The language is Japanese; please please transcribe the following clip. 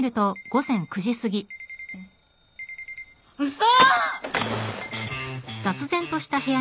嘘！